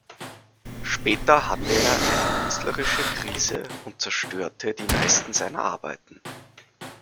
Später hatte er eine künstlerische Krise und zerstörte die meisten seiner Arbeiten.